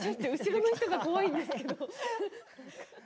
後ろの人が怖いんですけど。